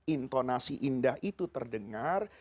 intonasi indah itu terdengar